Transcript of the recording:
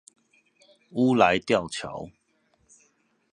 烏來吊橋